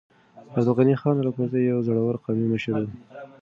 عبدالغني خان الکوزی يو زړور قومي مشر و.